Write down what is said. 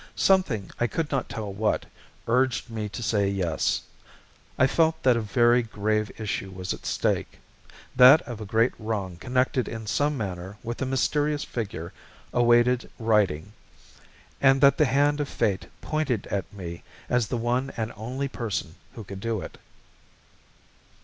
Something, I could not tell what, urged me to say yes. I felt that a very grave issue was at stake that a great wrong connected in some manner with the mysterious figure awaited righting, and that the hand of Fate pointed at me as the one and only person who could do it.